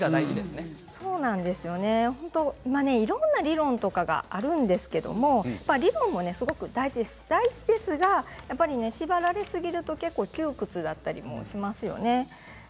いろんな理論があるんですけれどそれも大事ですが縛られすぎると結構窮屈だったりもします。